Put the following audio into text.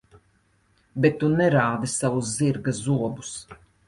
Bet tu nerādi savus zirga zobus.